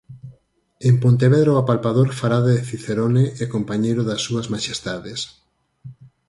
En Pontevedra o aplapador fará de cicerone e compañeiro das súas maxestades.